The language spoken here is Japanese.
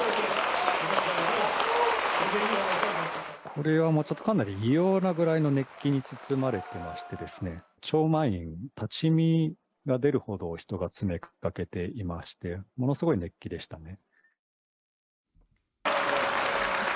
これはかなり異様なぐらいの熱気に包まれてまして、超満員、立ち見が出るほど人が詰めかけていまして、ものすごい熱気でしたね。